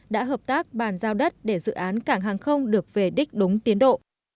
đã hợp tác bàn giao đất để dự án cảng hàng không được về đích đúng tiến độ